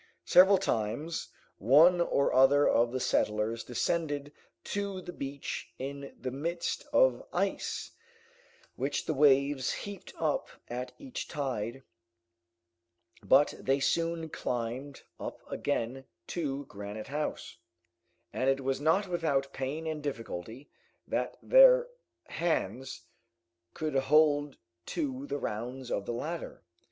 Several times, one or other of the settlers descended to the beach in the midst of ice which the waves heaped up at each tide, but they soon climbed up again to Granite House, and it was not without pain and difficulty that their hands could hold to the rounds of the ladder.